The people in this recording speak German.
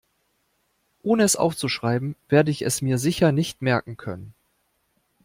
Ohne es aufzuschreiben, werde ich es mir sicher nicht merken können.